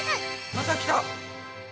またきた！